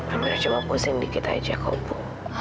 amira cuma pusing dikit aja kak ibu